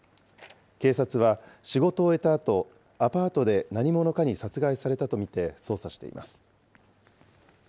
警察は仕事を終えたあと、アパートで何者かに殺害されたと見て捜査しています。